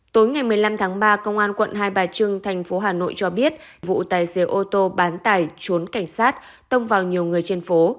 tối ngày một mươi năm tháng ba công an quận hai bà trưng thành phố hà nội cho biết vụ tài xế ô tô bán tải trốn cảnh sát tông vào nhiều người trên phố